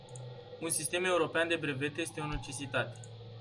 Un sistem european de brevete este o necesitate.